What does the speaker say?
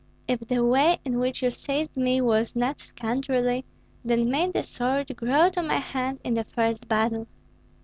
"If the way in which you seized me was not scoundrelly, then may the sword grow to my hand in the first battle."